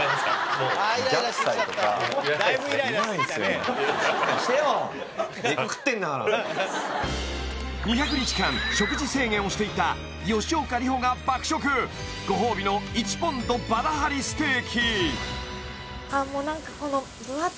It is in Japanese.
もう２００日間食事制限をしていた吉岡里帆が爆食ご褒美の１ポンドバダ・ハリステーキ